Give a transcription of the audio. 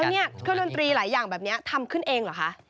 นี่เครื่องดนตรีหลายอย่างแบบนี้ทำขึ้นเองเหรอคะ